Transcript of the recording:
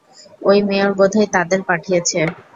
ওই মেয়র বোধহয় তাদের পাঠিয়েছে!